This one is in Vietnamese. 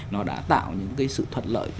nó đã tạo những cái sự thuận lợi